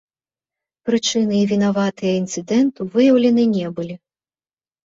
Прычыны і вінаватыя інцыдэнту выяўлены не былі.